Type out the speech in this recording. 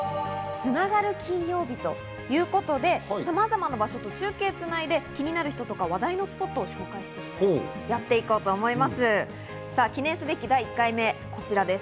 「つながる金曜日」。ということで、さまざまな場所と中継をつないで気になる人とか話題のスポットを紹介していこうと思います。